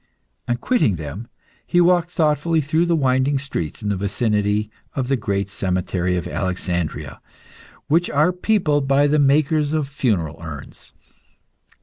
On quitting them he walked thoughtfully through the winding streets in the vicinity of the great cemetery of Alexandria, which are peopled by the makers of funeral urns.